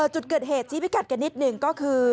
จุดเกิดเหตุชี้พิกัดกันนิดหนึ่งก็คือ